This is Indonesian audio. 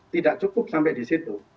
tidak cukup sampai di situ